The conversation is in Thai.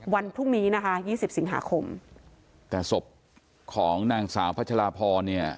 วันพรุ่งนี้นะคะยี่สิบสิงหาคมแต่ศพของนางสาวพัชราพรเนี่ย